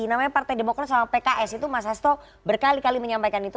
namanya partai demokrat sama pks itu mas hasto berkali kali menyampaikan itu